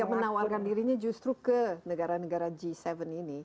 yang menawarkan dirinya justru ke negara negara g tujuh ini